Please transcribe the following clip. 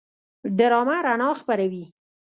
ډرامه رڼا خپروي